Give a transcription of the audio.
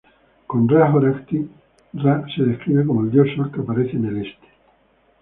Con Ra-Horajty, Ra se describe como el dios sol que aparece en el este.